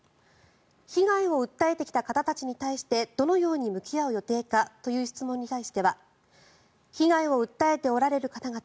被害を訴えてきた方たちに対してどのように向き合う予定かという質問に対しては被害を訴えておられる方々